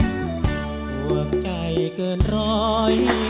สงสัยก็สำคัญนะครับ